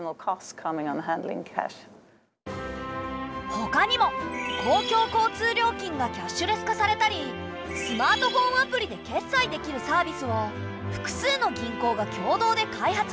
ほかにも公共交通料金がキャッシュレス化されたりスマートフォンアプリで決済できるサービスを複数の銀行が共同で開発したり。